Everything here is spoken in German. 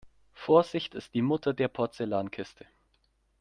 Vorsicht ist die Mutter der Porzellankiste.